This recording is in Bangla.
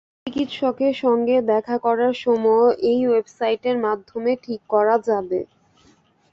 চিকিৎসকের সঙ্গে দেখা করার সময়ও এই ওয়েবসাইটের মাধ্যমে ঠিক করা যাবে।